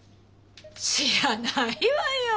知らないわよ！